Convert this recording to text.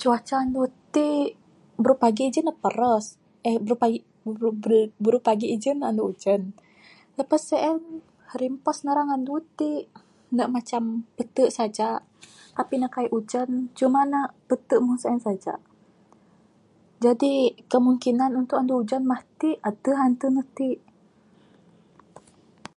Cuaca anu ti, brupagi ijen ne peres eh brupagi bru bru bru brupagi ijen ne anu ujen, lepas sien rimpas narang anu ti ne macam pete saja, tapi ne kaik ujan cuma ne pete meng sien saja. Jadi kemungkinan untuk anu ujan matik adeh anten ne ti .